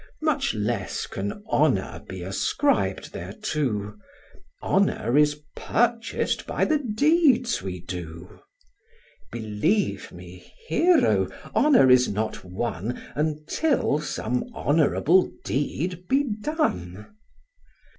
Much less can honour be ascrib'd thereto: Honour is purchas'd by the deeds we do Believe me, Hero, honour is not won, Until some honourable deed be done.